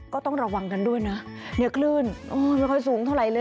ก็ต้องระวังกันด้วยนะเนี่ยคลื่นไม่ค่อยสูงเท่าไหร่เลย